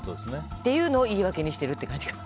っていうのを言い訳にしてるって感じかな。